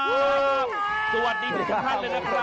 สวัสดีค่ะสวัสดีค่ะแข็งแทนครับสวัสดีครับ